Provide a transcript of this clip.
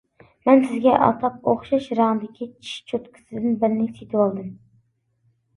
-مەن سىزگە ئاتاپ ئوخشاش رەڭدىكى چىش چوتكىسىدىن بىرنى سېتىۋالدىم.